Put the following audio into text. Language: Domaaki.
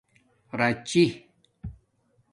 راچی